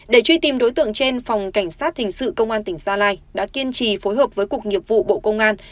để truy tìm đối tượng trên phòng cảnh sát hình sự công an tỉnh gia lai đã kiên trì phối hợp với cục nghiệp vụ bộ công an